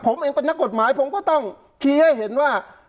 ผมเองเป็นนักกฎหมายผมก็ต้องชี้ให้เห็นว่า